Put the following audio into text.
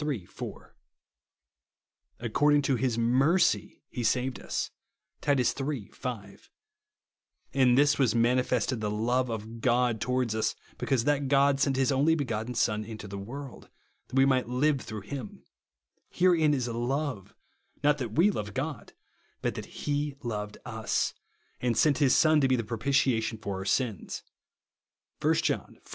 4) ;" according to his mercy he saved us," (Titus iii. 5) ;" in this was manifested the love of God towards us, because that God sent his only begotten Son into the world, that we mic^lit live through him ; herein is love, not that we loved God, but that he loved us, and sent his Son to be the propitiation for our sins," (1 John iv.